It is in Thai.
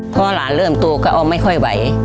พอหลานเริ่มโตก็เอาไม่ค่อยไหว